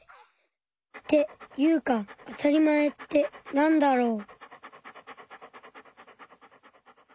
っていうかあたりまえってなんだろう？